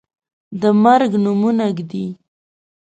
د مرګ نومونه ږدي